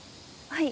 はい。